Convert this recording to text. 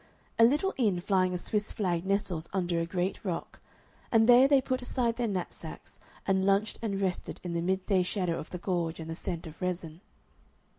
A little inn flying a Swiss flag nestles under a great rock, and there they put aside their knapsacks and lunched and rested in the mid day shadow of the gorge and the scent of resin.